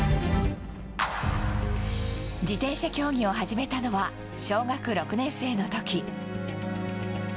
自転車競技を始めたのは小学６年生の時。